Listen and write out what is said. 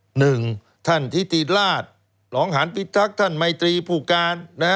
หนึ่งท่านทิติราชหลองหันพิทักษ์ท่านมัยตรีผู้การ